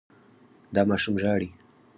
دا ماشوم ژاړي.